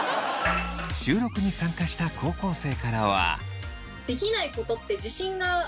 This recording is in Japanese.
収録に参加した高校生からは。